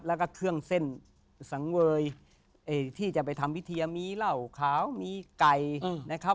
แล้วก็เครื่องเส้นสังเวยที่จะไปทำพิธีมีเหล้าขาวมีไก่นะครับ